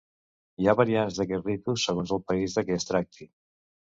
Hi ha variants d'aquest ritu segons el país de què es tracti.